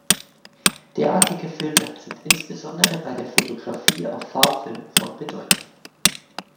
Derartige Filter sind insbesondere bei der Fotografie auf Farbfilmen von Bedeutung.